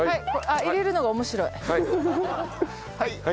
あっ入れるのが面白い。